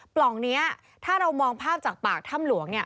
ปล่องนี้ถ้าเรามองภาพจากปากถ้ำหลวง